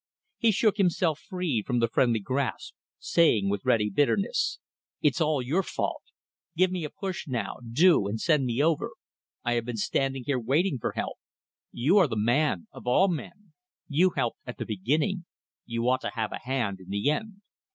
He shook himself free from the friendly grasp, saying with ready bitterness "It's all your fault. Give me a push now, do, and send me over. I have been standing here waiting for help. You are the man of all men. You helped at the beginning; you ought to have a hand in the end."